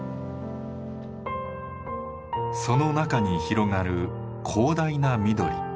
その中に広がる広大な緑。